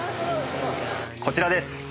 こちらです。